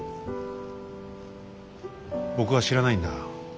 僕は知らないんだ。